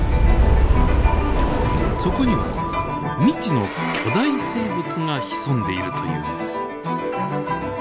そこには未知の巨大生物が潜んでいるというのです。